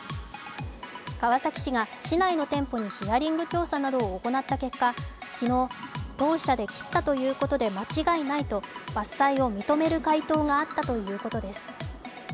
川崎市が市内の店舗にヒアリング調査などを行った結果、昨日、当社で切ったということで間違いないと伐採を認める回答があったということです。